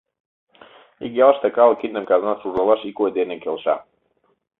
Ик ялыште калык киндым казнаш ужалаш ик ой дене келша.